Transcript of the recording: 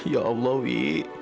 ya allah wi